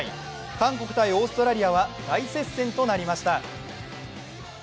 韓国×オーストラリアは大接戦となりました。